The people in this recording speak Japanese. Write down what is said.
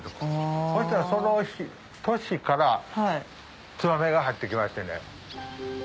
そしたらその年からツバメが入ってきましてね。